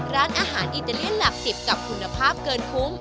ร้านอาหารอิตาเลียนหลัก๑๐กับคุณภาพเกินคุ้ม